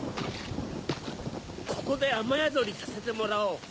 ここであまやどりさせてもらおう。